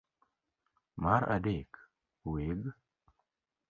Mar adek, weg